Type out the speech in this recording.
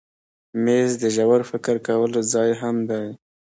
مېز د ژور فکر کولو ځای هم دی.